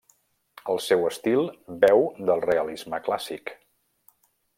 El seu estil beu del realisme clàssic.